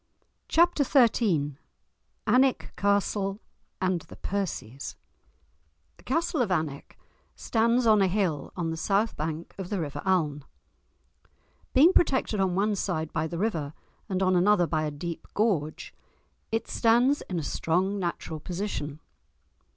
*Chapter XIII* *Alnwick Castle and the Percies* The castle of Alnwick stands on a hill on the south bank of the river Alne; being protected on one side by the river and on another by a deep gorge, it stands in a strong natural position.